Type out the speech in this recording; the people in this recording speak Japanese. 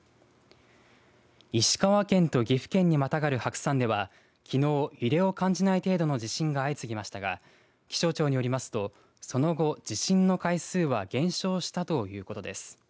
石川県と岐阜県にまたがる白山ではきのう揺れを感じない程度の地震が相次ぎましたが気象庁によりますとその後、地震の回数は減少したということです。